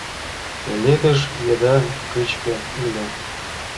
Пеледыш еда кычке ыле.